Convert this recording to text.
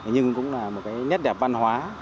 nhưng cũng là một cái nhất đẹp văn hóa